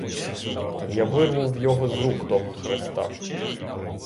Я вирву в його з рук того хреста.